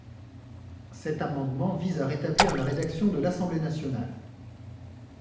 Cet amendement vise à rétablir la rédaction de l’Assemblée nationale.